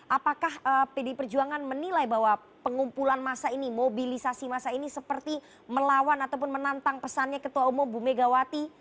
apakah pdi perjuangan menilai bahwa pengumpulan masa ini mobilisasi masa ini seperti melawan ataupun menantang pesannya ketua umum bu megawati